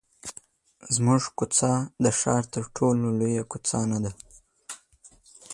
زموږ کوڅه د ښار تر ټولو لویه کوڅه نه ده.